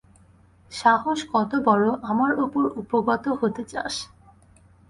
সাহস কত বড়, আমার উপর উপগত হতে চাস!